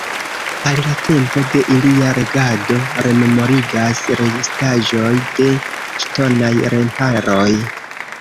Al la tempo de ilia regado rememorigas restaĵoj de ŝtonaj remparoj.